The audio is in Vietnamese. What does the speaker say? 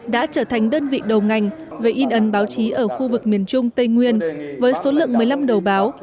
đã trở thành đơn vị đầu ngành về in ấn báo chí ở khu vực miền trung tây nguyên với số lượng một mươi năm đầu báo